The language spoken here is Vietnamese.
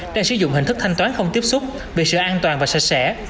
đang sử dụng hình thức thanh toán không tiếp xúc vì sự an toàn và sạch sẽ